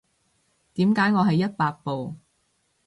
點解我係一百步